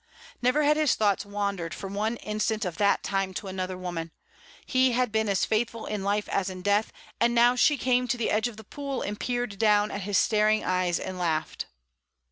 Never had his thoughts wandered for one instant of that time to another woman; he had been as faithful in life as in death; and now she came to the edge of the pool and peered down at his staring eyes and laughed.